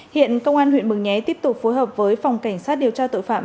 hiện công an huyện mường nhé tiếp tục phối hợp với phòng cảnh sát điều tra tội phạm